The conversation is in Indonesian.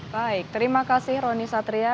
baik terima kasih roni satria